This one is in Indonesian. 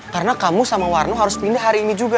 karena kamu sama warno harus pindah hari ini juga